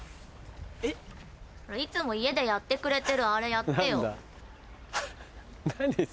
えっ？いつも家でやってくれてるあれやってよ。